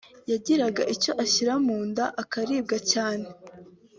yagiraga icyo ashyira mu nda akaribwa cyane